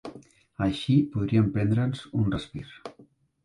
Així podríem prendre'ns un respir.